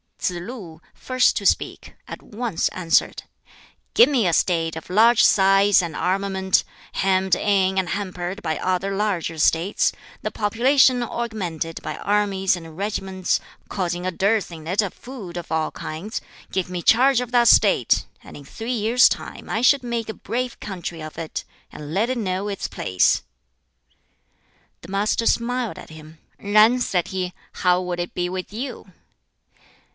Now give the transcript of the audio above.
Tsz lu first to speak at once answered, "Give me a State of large size and armament, hemmed in and hampered by other larger States, the population augmented by armies and regiments, causing a dearth in it of food of all kinds; give me charge of that State, and in three years' time I should make a brave country of it, and let it know its place." The Master smiled at him. "Yen," said he, "how would it be with you?"